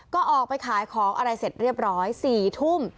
ก็ออกไปขายของอะไรเสร็จเรียบร้อย๔ทุ่ม